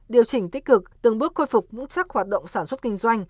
điều chỉnh tích cực từng bước khôi phục vững chắc hoạt động sản xuất kinh doanh